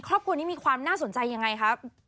ครอบครัวนี้มีความน่าสนใจยังไงครับ